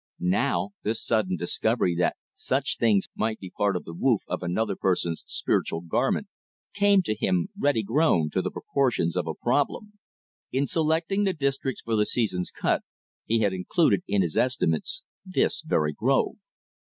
Now this sudden discovery that such things might be part of the woof of another person's spiritual garment came to him ready grown to the proportions of a problem. In selecting the districts for the season's cut, he had included in his estimates this very grove.